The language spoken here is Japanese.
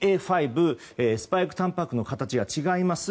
ＢＡ．５、スパイクたんぱくの形が違います。